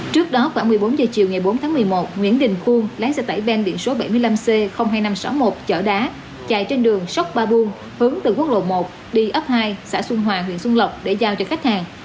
trước đó khoảng một mươi bốn h chiều ngày bốn tháng một mươi một nguyễn đình khuôn lái xe tải ben biển số bảy mươi năm c hai nghìn năm trăm sáu mươi một chở đá chạy trên đường sốc ba buôn hướng từ quốc lộ một đi ấp hai xã xuân hòa huyện xuân lộc để giao cho khách hàng